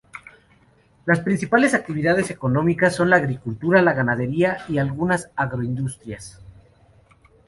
Las principales actividades económicas son la agricultura, la ganadería y algunas agroindustrias.